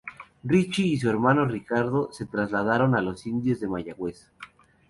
Richie y su hermano Ricardo se trasladaron a los Indios de Mayagüez.